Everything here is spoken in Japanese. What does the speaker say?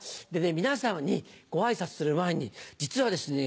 皆様にご挨拶する前に実はですね